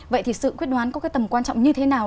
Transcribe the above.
vậy thì sự quyết đoán có cái tầm quan trọng như thế nào